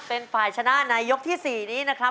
เป็นฝ่ายชนะในยกที่๔นี้นะครับ